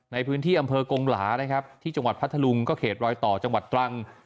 ในพื้นที่อำเภอกงหลานะครับที่จังหวัดพัทธลุงก็เขตรอยต่อจังหวัดตรัง